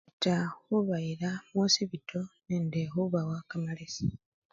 Taa! khubayila mukhosipito nende khubawa kamalesi.